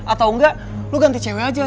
atau enggak lu ganti cewek aja